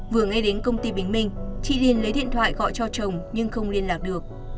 vừa nghe đến công ty bình minh chị rìn lấy điện thoại gọi cho chồng nhưng không liên lạc được